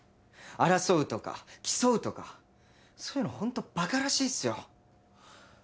争うとか競うとかそういうの本当馬鹿らしいっすよ。